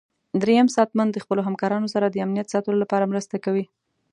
دریم ساتنمن د خپلو همکارانو سره د امنیت ساتلو لپاره مرسته کوي.